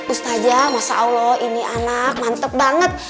ustaja masya allah ini anak mantep banget